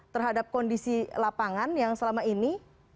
terhadap kondisi lapangan yang selama ini